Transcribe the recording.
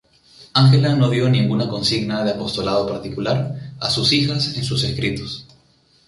Ángela no dio ninguna consigna de apostolado particular a sus hijas en sus escritos.